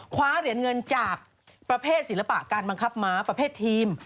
คว้าเหรียญเงินจากประเภทศิลปะการบังคับม้าประเภททีม